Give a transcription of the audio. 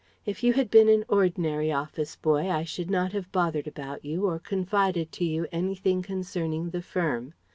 If you had been an ordinary Office boy, I should not have bothered about you or confided to you anything concerning the Firm.